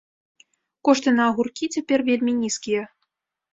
Кошты на агуркі цяпер вельмі нізкія.